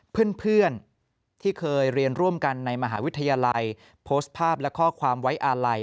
เพื่อนที่เคยเรียนร่วมกันในมหาวิทยาลัยโพสต์ภาพและข้อความไว้อาลัย